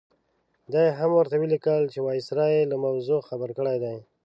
دا یې هم ورته ولیکل چې وایسرا یې له موضوع خبر کړی دی.